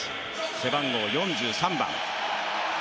背番号４３番。